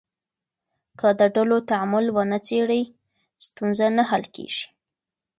که د ډلو تعامل ونه څېړې، ستونزې نه حل کېږي.